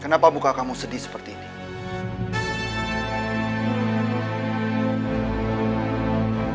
kenapa buka kamu sedih seperti ini